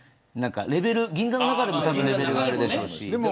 銀座の中でもレベルがあるでしょうし。